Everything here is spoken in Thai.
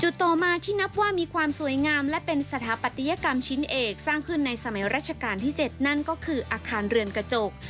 ต่อมาที่นับว่ามีความสวยงามและเป็นสถาปัตยกรรมชิ้นเอกสร้างขึ้นในสมัยราชการที่๗นั่นก็คืออาคารเรือนกระจก